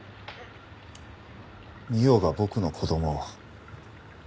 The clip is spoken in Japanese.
美緒が僕の子供を。